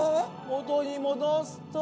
元に戻すと。